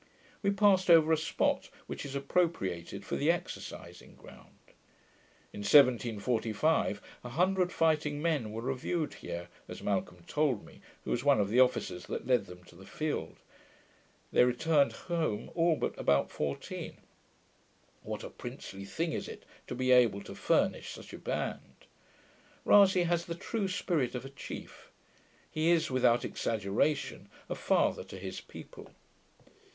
We passed over a spot, which is appropriated for the exercising ground. In 1745, a hundred fighting men were reviewed here, as Malcolm told me, who was one of the officers that led them to the field. They returned home all but about fourteen. What a princely thing is it to be able to furnish such a band! Rasay has the true spirit of a chief. He is, without exaggeration, a father to his people.